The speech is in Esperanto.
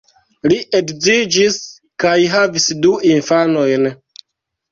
Li edziĝis kaj havis du infanojn.